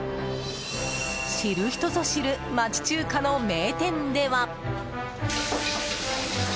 知る人ぞ知る町中華の名店では。